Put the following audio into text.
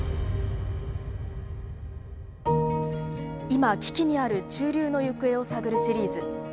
今危機にある中流の行方を探るシリーズ。